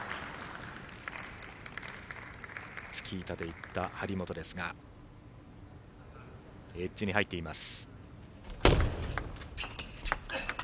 チキータでいった張本ですがエッジに入っています。